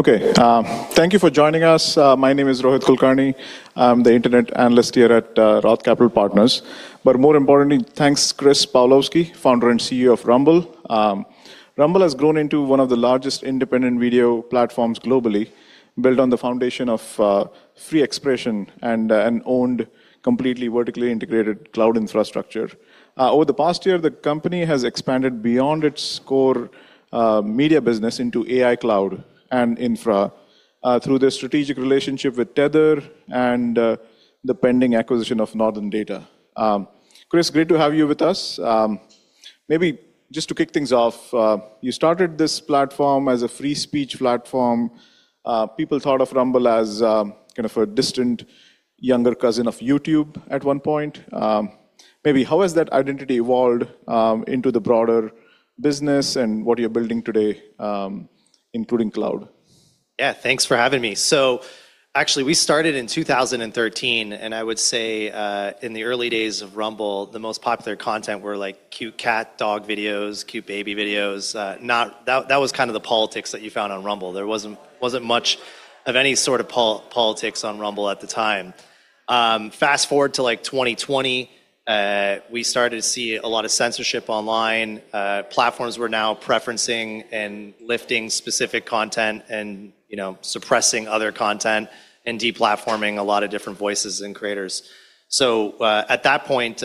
Okay. Thank you for joining us. My name is Rohit Kulkarni. I'm the Internet Analyst here at Roth Capital Partners. But more importantly, thanks, Chris Pavlovski, Founder and CEO of Rumble. Rumble has grown into one of the largest independent video platforms globally, built on the foundation of free expression and owned completely vertically integrated cloud infrastructure. Over the past year, the company has expanded beyond its core media business into AI cloud and infra through the strategic relationship with Tether and the pending acquisition of Northern Data. Chris, great to have you with us. Maybe just to kick things off, you started this platform as a free speech platform. People thought of Rumble as kind of a distant younger cousin of YouTube at one point. Maybe how has that identity evolved into the broader business and what you're building today, including cloud? Yeah, thanks for having me. Actually, we started in 2013, and I would say in the early days of Rumble, the most popular content were like cute cat, dog videos, cute baby videos. That was kind of the politics that you found on Rumble. There wasn't much of any sort of politics on Rumble at the time. Fast-forward to like 2020, we started to see a lot of censorship online. Platforms were now preferencing and lifting specific content and, you know, suppressing other content and deplatforming a lot of different voices and creators. At that point,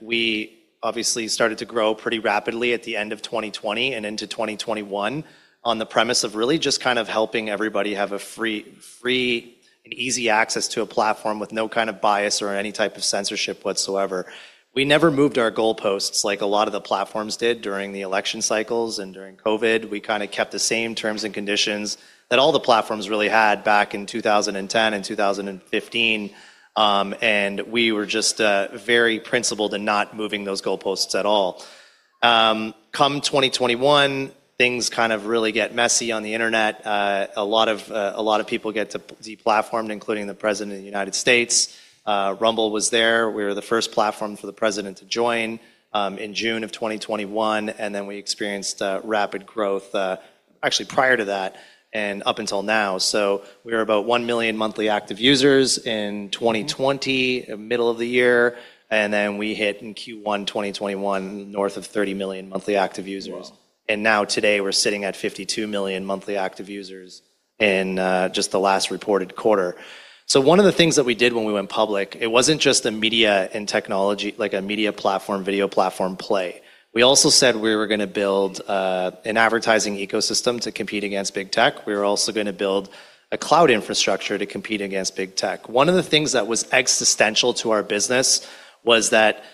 we obviously started to grow pretty rapidly at the end of 2020 and into 2021 on the premise of really just kind of helping everybody have a free and easy access to a platform with no kind of bias or any type of censorship whatsoever. We never moved our goalposts like a lot of the platforms did during the election cycles and during COVID. We kinda kept the same terms and conditions that all the platforms really had back in 2010 and 2015. We were just very principled in not moving those goalposts at all. Come 2021, things kind of really get messy on the internet. A lot of people get deplatformed, including the President of the United States. Rumble was there. We were the first platform for the president to join in June of 2021, and then we experienced rapid growth actually prior to that and up until now. We were about 1 million monthly active users in 2020, middle of the year, and then we hit in Q1 2021 north of 30 million monthly active users. Wow. Now today we're sitting at 52 million monthly active users in just the last reported quarter. One of the things that we did when we went public, it wasn't just a media and technology like a media platform, video platform play. We also said we were gonna build an advertising ecosystem to compete against big tech. We were also gonna build a cloud infrastructure to compete against big tech. One of the things that was existential to our business was that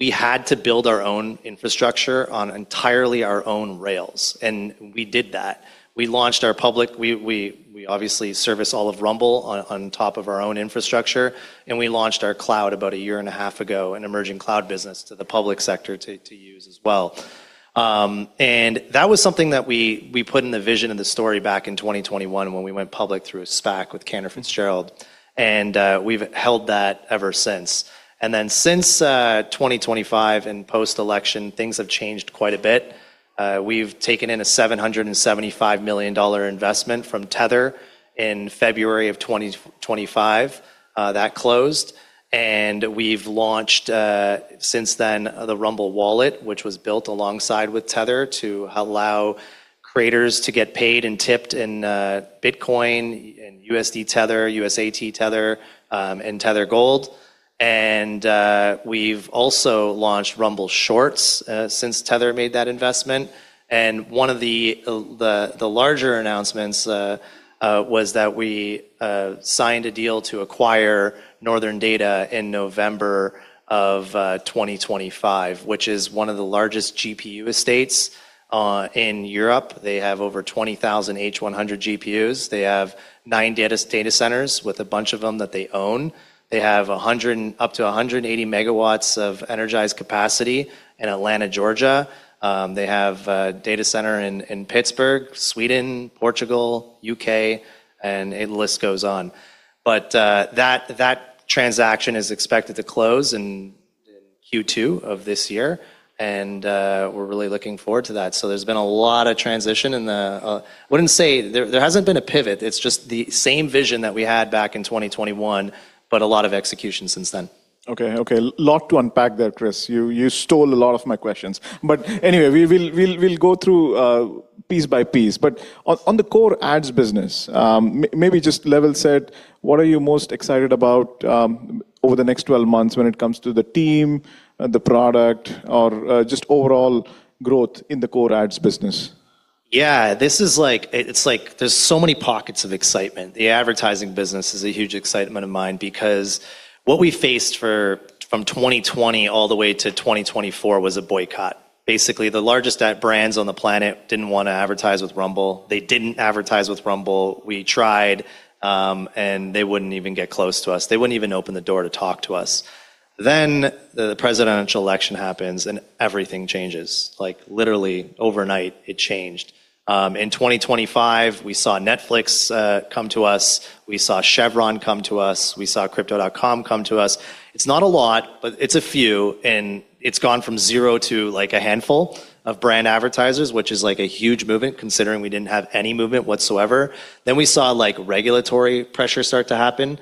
we had to build our own infrastructure on entirely our own rails, and we did that. We obviously service all of Rumble on top of our own infrastructure, and we launched our cloud about a year and a half ago, an emerging cloud business to the public sector to use as well. That was something that we put in the vision of the story back in 2021 when we went public through a SPAC with Cantor Fitzgerald, and we've held that ever since. Since 2025 and post-election, things have changed quite a bit. We've taken in a $775 million investment from Tether in February 2025. That closed, and we've launched since then the Rumble Wallet, which was built alongside with Tether to allow creators to get paid and tipped in Bitcoin and USDT, and Tether Gold. We've also launched Rumble Shorts since Tether made that investment. One of the larger announcements was that we signed a deal to acquire Northern Data in November of 2025, which is one of the largest GPU estates in Europe. They have over 20,000 H100 GPUs. They have nine data centers with a bunch of them that they own. They have up to 180 MW of energized capacity in Atlanta, Georgia. They have a data center in Pittsburgh, Sweden, Portugal, U.K., and the list goes on. That transaction is expected to close in Q2 of this year, and we're really looking forward to that. There's been a lot of transition and wouldn't say there hasn't been a pivot. It's just the same vision that we had back in 2021, but a lot of execution since then. Okay. A lot to unpack there, Chris. You stole a lot of my questions. Anyway, we'll go through piece by piece. On the core ads business, maybe just level set, what are you most excited about over the next 12 months when it comes to the team, the product or just overall growth in the core ads business? It's like there's so many pockets of excitement. The advertising business is a huge excitement of mine because what we faced from 2020 all the way to 2024 was a boycott. Basically, the largest ad brands on the planet didn't wanna advertise with Rumble. They didn't advertise with Rumble. We tried, and they wouldn't even get close to us. They wouldn't even open the door to talk to us. The presidential election happens and everything changes. Like literally overnight it changed. In 2025 we saw Netflix come to us, we saw Chevron come to us, we saw Crypto.com come to us. It's not a lot, but it's a few, and it's gone from zero to like a handful of brand advertisers, which is like a huge movement considering we didn't have any movement whatsoever. We saw like regulatory pressure start to happen.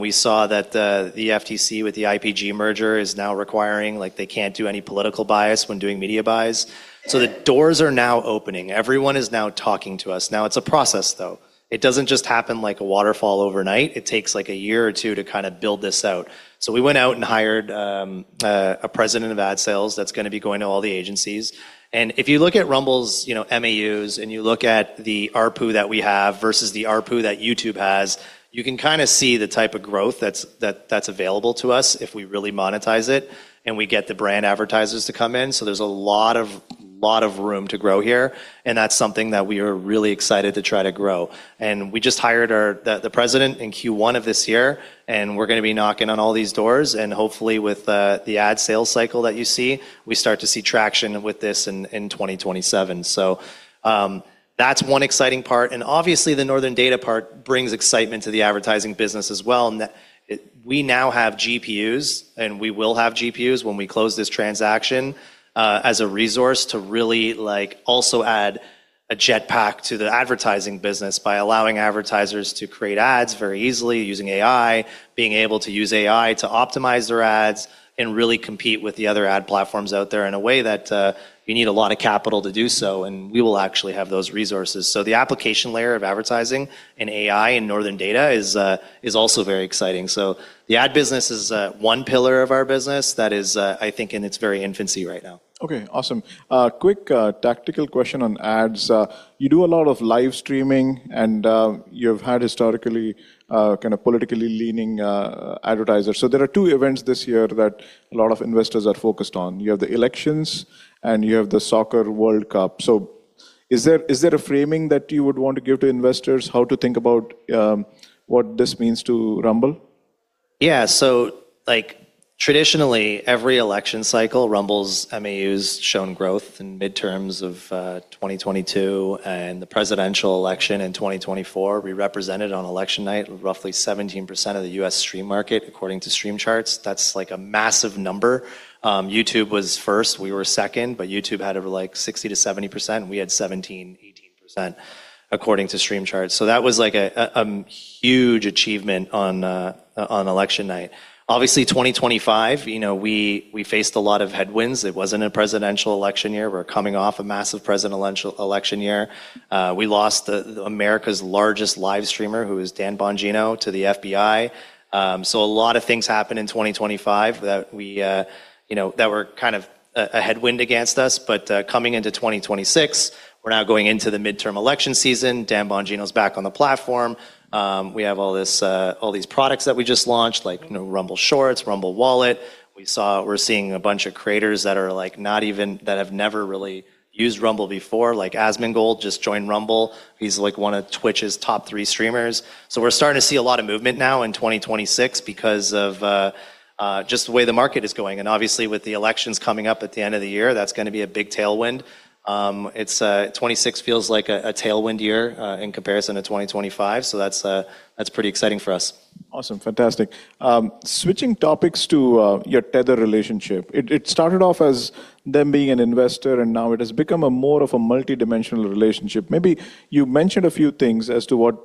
We saw that the FTC with the IPG merger is now requiring like they can't do any political bias when doing media buys. The doors are now opening. Everyone is now talking to us. Now it's a process though. It doesn't just happen like a waterfall overnight. It takes like a year or two to kinda build this out. We went out and hired a president of ad sales that's gonna be going to all the agencies. If you look at Rumble's, you know, MAUs, and you look at the ARPU that we have versus the ARPU that YouTube has, you can kinda see the type of growth that's available to us if we really monetize it and we get the brand advertisers to come in. There's a lot of room to grow here, and that's something that we are really excited to try to grow. We just hired the president in Q1 of this year, and we're gonna be knocking on all these doors, and hopefully with the ad sales cycle that you see, we start to see traction with this in 2027. That's one exciting part. Obviously, the Northern Data part brings excitement to the advertising business as well in that we now have GPUs, and we will have GPUs when we close this transaction, as a resource to really like also add a jetpack to the advertising business by allowing advertisers to create ads very easily using AI, being able to use AI to optimize their ads and really compete with the other ad platforms out there in a way that you need a lot of capital to do so, and we will actually have those resources. The application layer of advertising and AI in Northern Data is also very exciting. The ad business is one pillar of our business that is, I think in its very infancy right now. Okay, awesome. Quick tactical question on ads. You do a lot of live streaming, and you've had historically kinda politically leaning advertisers. There are two events this year that a lot of investors are focused on. You have the elections, and you have the FIFA World Cup. Is there a framing that you would want to give to investors how to think about what this means to Rumble? Yeah. Like, traditionally, every election cycle, Rumble's MAUs shown growth. In midterms of 2022 and the presidential election in 2024, we represented on election night roughly 17% of the U.S. stream market according to Streams Charts. That's like a massive number. YouTube was first, we were second, but YouTube had over like 60%-70%. We had 17%-18% according to Streams Charts. That was like a huge achievement on election night. Obviously, 2025, you know, we faced a lot of headwinds. It wasn't a presidential election year. We're coming off a massive presidential election year. We lost America's largest live streamer, who was Dan Bongino, to the FBI. So a lot of things happened in 2025 that we, you know, that were kind of a headwind against us. Coming into 2026, we're now going into the midterm election season. Dan Bongino's back on the platform. We have all these products that we just launched, like, you know, Rumble Shorts, Rumble Wallet. We're seeing a bunch of creators that have never really used Rumble before. Like Asmongold just joined Rumble. He's like one of Twitch's top three streamers. We're starting to see a lot of movement now in 2026 because of just the way the market is going. Obviously, with the elections coming up at the end of the year, that's gonna be a big tailwind. 2026 feels like a tailwind year in comparison to 2025. That's pretty exciting for us. Awesome. Fantastic. Switching topics to your Tether relationship. It started off as them being an investor, and now it has become more of a multidimensional relationship. Maybe you mentioned a few things as to what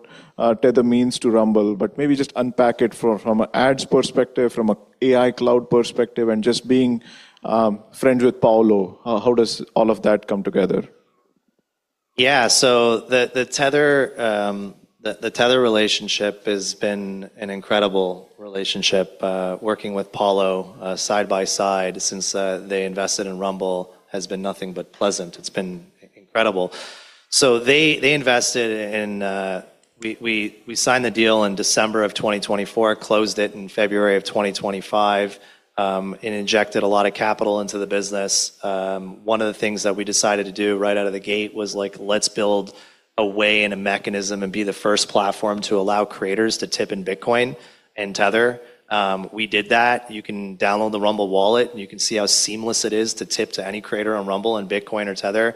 Tether means to Rumble, but maybe just unpack it from a ads perspective, from an AI cloud perspective, and just being friends with Paolo. How does all of that come together? The Tether relationship has been an incredible relationship. Working with Paolo side by side since they invested in Rumble has been nothing but pleasant. It's been incredible. We signed the deal in December of 2024, closed it in February of 2025, and injected a lot of capital into the business. One of the things that we decided to do right out of the gate was, like, let's build a way and a mechanism and be the first platform to allow creators to tip in Bitcoin and Tether. We did that. You can download the Rumble Wallet, and you can see how seamless it is to tip to any creator on Rumble in Bitcoin or Tether.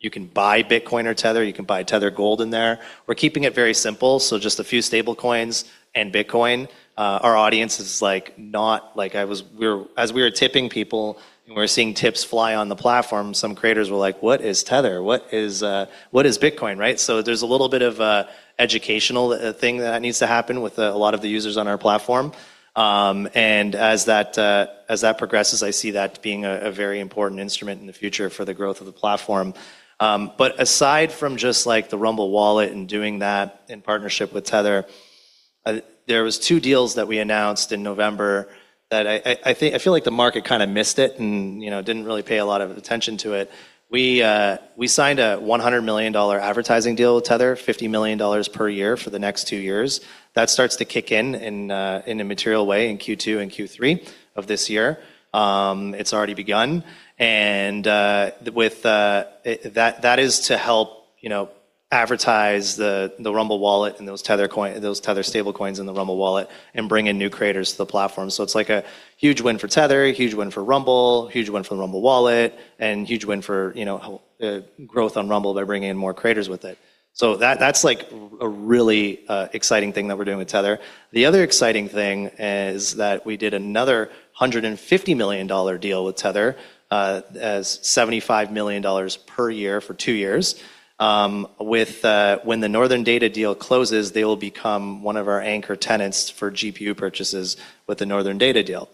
You can buy Bitcoin or Tether. You can buy Tether Gold in there. We're keeping it very simple, so just a few stable coins and Bitcoin. Our audience is, like, as we were tipping people and we were seeing tips fly on the platform, some creators were like, "What is Tether? What is Bitcoin?" Right? There's a little bit of an educational thing that needs to happen with a lot of the users on our platform. As that progresses, I see that being a very important instrument in the future for the growth of the platform. Aside from just, like, the Rumble Wallet and doing that in partnership with Tether, there was two deals that we announced in November that I think I feel like the market kinda missed it and, you know, didn't really pay a lot of attention to it. We signed a $100 million advertising deal with Tether, $50 million per year for the next two years. That starts to kick in in a material way in Q2 and Q3 of this year. It's already begun. That is to help, you know, advertise the Rumble Wallet and those Tether stablecoins in the Rumble Wallet and bring in new creators to the platform. It's like a huge win for Tether, huge win for Rumble, huge win for the Rumble Wallet, and huge win for, you know, growth on Rumble. They're bringing in more creators with it. That, that's like a really exciting thing that we're doing with Tether. The other exciting thing is that we did another $150 million deal with Tether, as $75 million per year for two years. When the Northern Data deal closes, they will become one of our anchor tenants for GPU purchases with the Northern Data deal.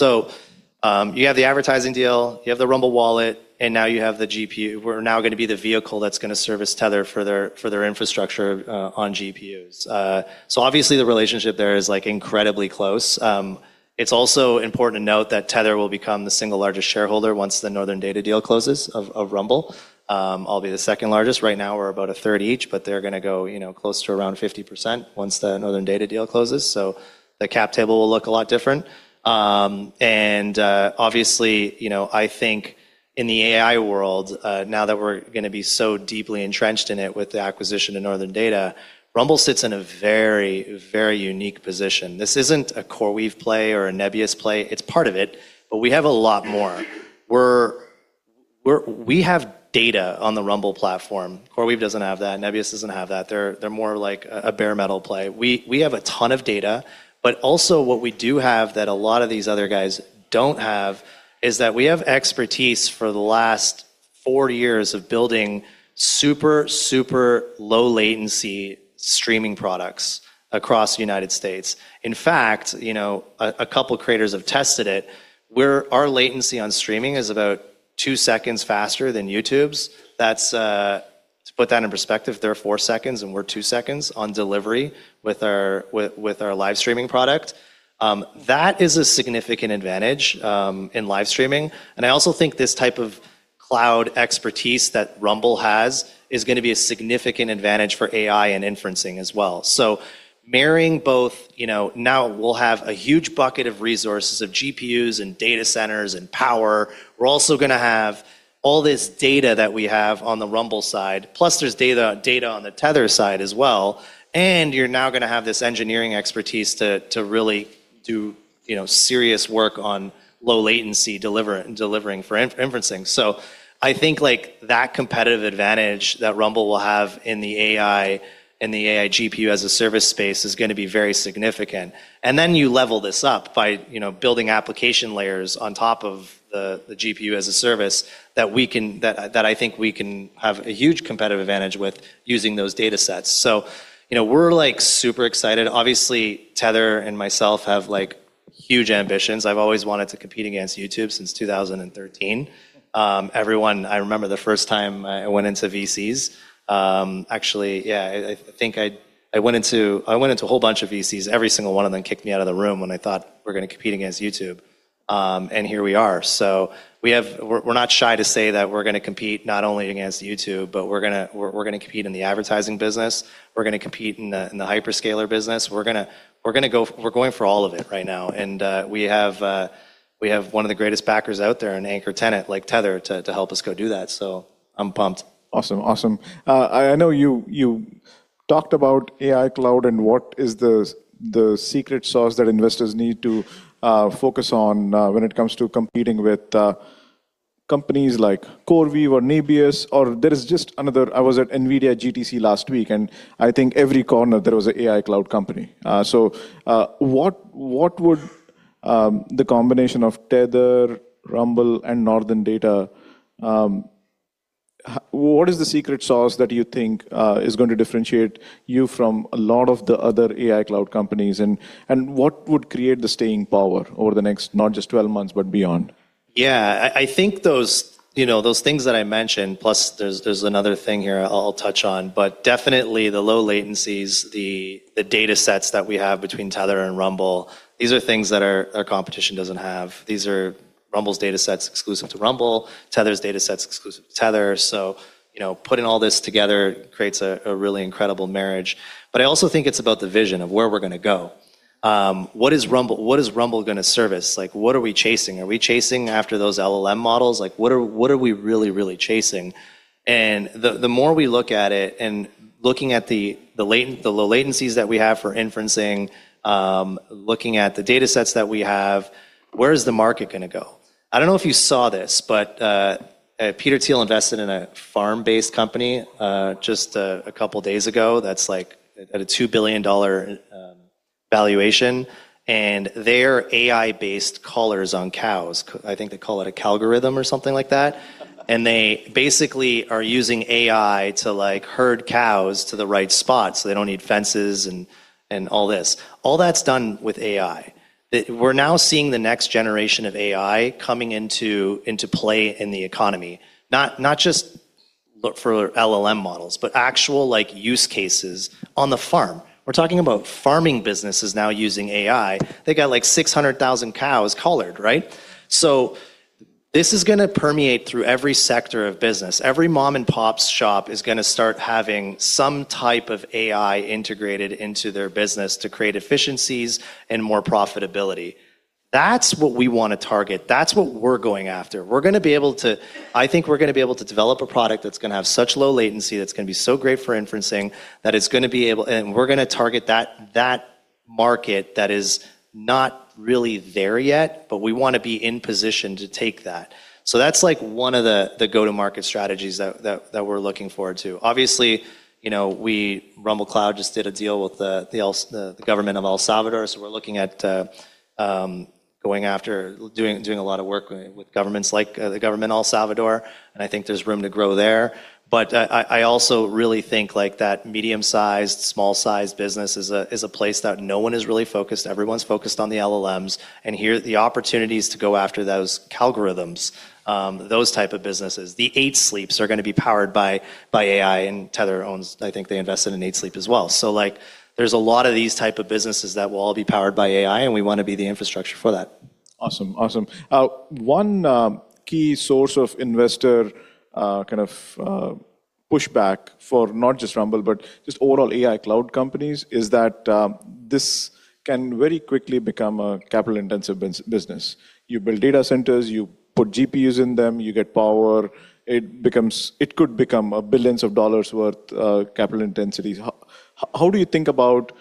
You have the advertising deal, you have the Rumble Wallet, and now you have the GPU. We're now gonna be the vehicle that's gonna service Tether for their infrastructure on GPUs. Obviously the relationship there is like incredibly close. It's also important to note that Tether will become the single largest shareholder once the Northern Data deal closes of Rumble. I'll be the second-largest. Right now we're about a third each, but they're gonna go, you know, close to around 50% once the Northern Data deal closes. The cap table will look a lot different. Obviously, you know, I think in the AI world, now that we're gonna be so deeply entrenched in it with the acquisition of Northern Data, Rumble sits in a very, very unique position. This isn't a CoreWeave play or a Nebius play. It's part of it, but we have a lot more. We have data on the Rumble platform. CoreWeave doesn't have that. Nebius doesn't have that. They're more like a bare metal play. We have a ton of data, but also what we do have that a lot of these other guys don't have is that we have expertise for the last four years of building super low latency streaming products across the United States. In fact, you know, a couple creators have tested it. Our latency on streaming is about two seconds faster than YouTube's. That's to put that in perspective, they're four seconds and we're two seconds on delivery with our live streaming product. That is a significant advantage in live streaming, and I also think this type of cloud expertise that Rumble has is gonna be a significant advantage for AI and inferencing as well. Marrying both, you know, now we'll have a huge bucket of resources of GPUs and data centers and power. We're also gonna have all this data that we have on the Rumble side, plus there's data on the Tether side as well, and you're now gonna have this engineering expertise to really do, you know, serious work on low latency delivering for inferencing. I think like that competitive advantage that Rumble will have in the AI GPU as a service space is gonna be very significant. Then you level this up by, you know, building application layers on top of the GPU as a service that I think we can have a huge competitive advantage with using those datasets. You know, we're like super excited. Obviously, Tether and myself have, like, huge ambitions. I've always wanted to compete against YouTube since 2013. Everyone, I remember the first time I went into VCs. Actually, yeah, I think I went into a whole bunch of VCs. Every single one of them kicked me out of the room when I told them we're gonna compete against YouTube. Here we are. We're not shy to say that we're gonna compete not only against YouTube, but we're gonna compete in the advertising business. We're gonna compete in the hyperscaler business. We're going for all of it right now, and we have one of the greatest backers out there, an anchor tenant like Tether to help us go do that. I'm pumped. Awesome. I know you talked about AI cloud and what is the secret sauce that investors need to focus on when it comes to competing with companies like CoreWeave or Nebius, or there is just another. I was at NVIDIA GTC last week, and I think every corner there was an AI cloud company. What would the combination of Tether, Rumble, and Northern Data what is the secret sauce that you think is going to differentiate you from a lot of the other AI cloud companies and what would create the staying power over the next not just 12 months but beyond? Yeah. I think those, you know, those things that I mentioned, plus there's another thing here I'll touch on, but definitely the low latencies, the datasets that we have between Tether and Rumble, these are things that our competition doesn't have. These are Rumble's datasets exclusive to Rumble, Tether's datasets exclusive to Tether. So, you know, putting all this together creates a really incredible marriage. But I also think it's about the vision of where we're gonna go. What is Rumble, what is Rumble gonna service? Like, what are we chasing? Are we chasing after those LLM models? Like, what are we really, really chasing? The more we look at it and looking at the low latencies that we have for inferencing, looking at the datasets that we have, where is the market gonna go? I don't know if you saw this, but Peter Thiel invested in a farm-based company just a couple days ago that's like at a $2 billion valuation, and they're AI-based collars on cows. I think they call it a Cowgorithm or something like that. They basically are using AI to like herd cows to the right spot, so they don't need fences and all this. All that's done with AI. We're now seeing the next generation of AI coming into play in the economy, not just for LLM models, but actual like use cases on the farm. We're talking about farming businesses now using AI. They got like 600,000 cows collared, right? So this is gonna permeate through every sector of business. Every mom and pop's shop is gonna start having some type of AI integrated into their business to create efficiencies and more profitability. That's what we wanna target. That's what we're going after. I think we're gonna be able to develop a product that's gonna have such low latency, that's gonna be so great for inferencing, and we're gonna target that market that is not really there yet, but we wanna be in position to take that. That's like one of the go-to-market strategies that we're looking forward to. Obviously, you know, Rumble Cloud just did a deal with the government of El Salvador, so we're looking at doing a lot of work with governments like the government of El Salvador, and I think there's room to grow there. But I also really think, like, that medium-sized, small-sized business is a place that no one has really focused. Everyone's focused on the LLMs, and here, the opportunity is to go after those algorithms, those type of businesses. The Eight Sleeps are gonna be powered by AI, and Tether, I think they invested in Eight Sleep as well. So, like, there's a lot of these type of businesses that will all be powered by AI, and we wanna be the infrastructure for that. Awesome. One key source of investor kind of pushback for not just Rumble, but just overall AI cloud companies, is that this can very quickly become a capital-intensive business. You build data centers, you put GPUs in them, you get power. It could become billions of dollars' worth capital intensity. How do you think about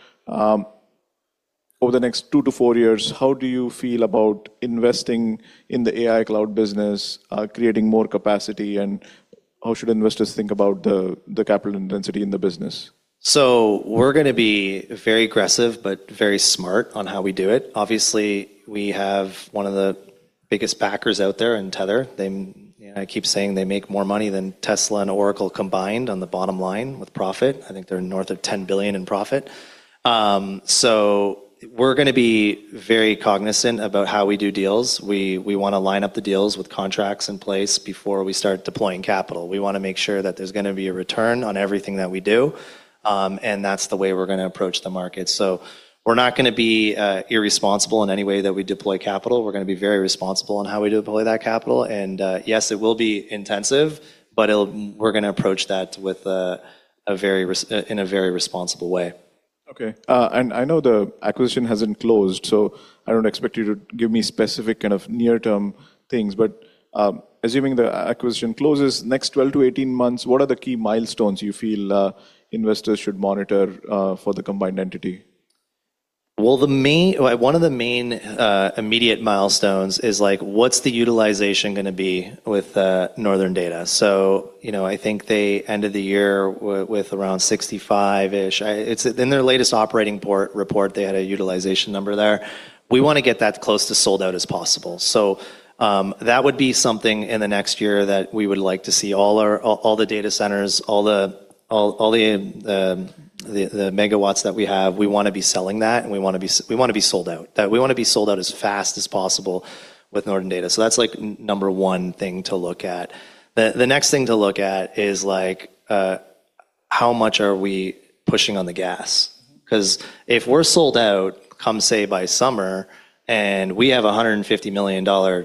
over the next two to four years, how do you feel about investing in the AI cloud business creating more capacity, and how should investors think about the capital intensity in the business? We're gonna be very aggressive but very smart on how we do it. Obviously, we have one of the biggest backers out there in Tether. You know, I keep saying they make more money than Tesla and Oracle combined on the bottom line with profit. I think they're north of $10 billion in profit. We're gonna be very cognizant about how we do deals. We wanna line up the deals with contracts in place before we start deploying capital. We wanna make sure that there's gonna be a return on everything that we do, and that's the way we're gonna approach the market. We're not gonna be irresponsible in any way that we deploy capital. We're gonna be very responsible in how we deploy that capital. Yes, it will be intensive, but we're gonna approach that in a very responsible way. Okay. I know the acquisition hasn't closed, so I don't expect you to give me specific kind of near-term things. Assuming the acquisition closes, next 12-18 months, what are the key milestones you feel investors should monitor for the combined entity? One of the main immediate milestones is, like, what's the utilization gonna be with Northern Data? You know, I think they ended the year with around 65-ish. It's in their latest operating report, they had a utilization number there. We wanna get that as close to sold out as possible. That would be something in the next year that we would like to see all the data centers, all the megawatts that we have, we wanna be selling that, and we wanna be sold out. We wanna be sold out as fast as possible with Northern Data. That's, like, number one thing to look at. The next thing to look at is, like, how much are we pushing on the gas? 'Cause if we're sold out, come say by summer, and we have a $150 million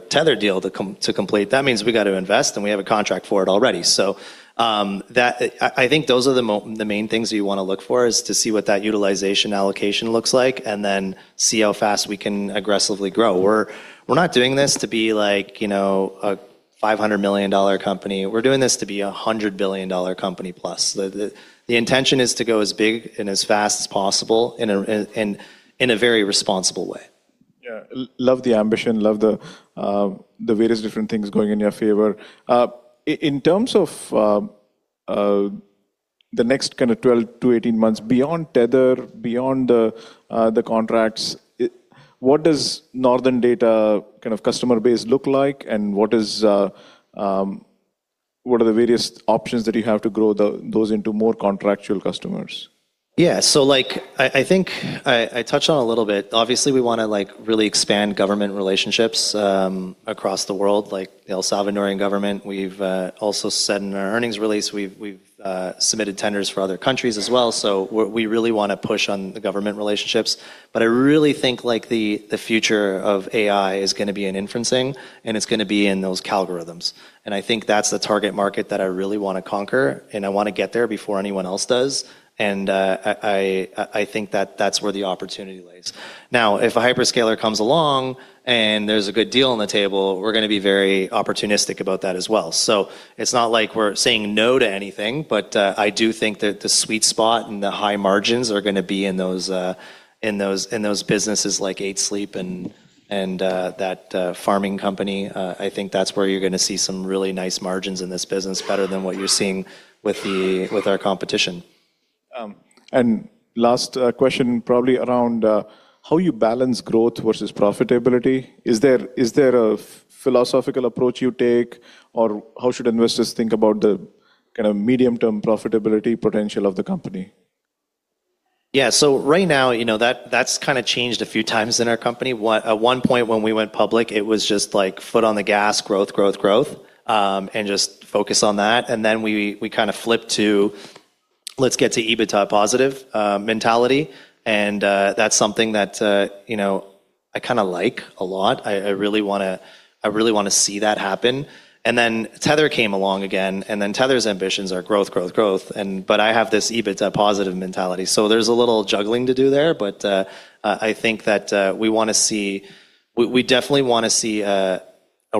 Tether deal to complete, that means we gotta invest, and we have a contract for it already. I think those are the main things you wanna look for, is to see what that utilization allocation looks like and then see how fast we can aggressively grow. We're not doing this to be, like, you know, a $500 million company. We're doing this to be a $100 billion company plus. The intention is to go as big and as fast as possible in a very responsible way. Yeah. Love the ambition. Love the various different things going in your favor. In terms of the next kinda 12-18 months, beyond Tether, beyond the contracts, what does Northern Data kind of customer base look like, and what are the various options that you have to grow those into more contractual customers? Yeah. Like, I think I touched on a little bit. Obviously, we wanna really expand government relationships across the world, like the Salvadoran government. We've also said in our earnings release we've submitted tenders for other countries as well. We really wanna push on the government relationships. I really think the future of AI is gonna be in inferencing, and it's gonna be in those Cowgorithms. I think that's where the opportunity lies. Now, if a hyperscaler comes along and there's a good deal on the table, we're gonna be very opportunistic about that as well. It's not like we're saying no to anything, but I do think that the sweet spot and the high margins are gonna be in those businesses like Eight Sleep and that farming company. I think that's where you're gonna see some really nice margins in this business better than what you're seeing with our competition. Last question probably around how you balance growth versus profitability. Is there a philosophical approach you take, or how should investors think about the kind of medium-term profitability potential of the company? Yeah. Right now, you know, that's kinda changed a few times in our company. At one point when we went public, it was just, like, foot on the gas, growth, growth, and just focus on that. Then we kinda flipped to, "Let's get to EBITDA positive," mentality, and, that's something that, you know, I kinda like a lot. I really wanna see that happen. Then Tether came along again, and then Tether's ambitions are growth, growth. But I have this EBITDA positive mentality. There's a little juggling to do there. I think that, we wanna see. We definitely wanna see a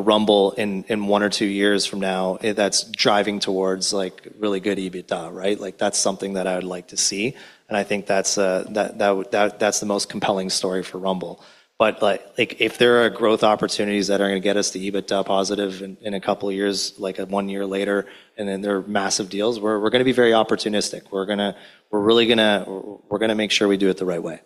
Rumble in one or two years from now that's driving towards, like, really good EBITDA, right? Like, that's something that I would like to see, and I think that's the most compelling story for Rumble. Like, if there are growth opportunities that are gonna get us to EBITDA positive in a couple of years, like, one year later, and then there are massive deals, we're gonna be very opportunistic. We're really gonna make sure we do it the right way.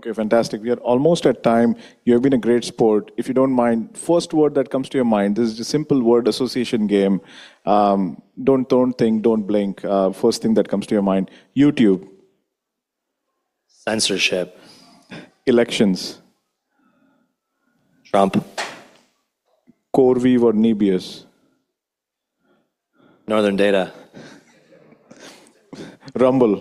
Okay. Fantastic. We are almost at time. You have been a great sport. If you don't mind, first word that comes to your mind. This is a simple word association game. Don't think, don't blink. First thing that comes to your mind. YouTube. Censorship. Elections. Trump. CoreWeave or Nebius. Northern Data. Rumble.